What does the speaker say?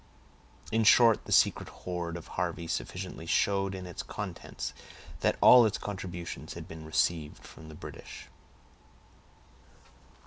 In short, the secret hoard of Harvey sufficiently showed in its contents that all its contributions had been received from the British.